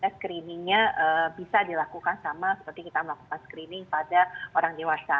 screeningnya bisa dilakukan sama seperti kita melakukan screening pada orang dewasa